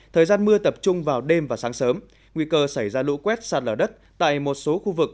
thời gian mưa tập trung vào đêm và sáng sớm nguy cơ xảy ra lũ quét sạt lở đất tại một số khu vực